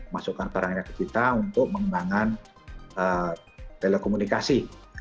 masukkan barangnya ke kita untuk mengembangkan telekomunikasi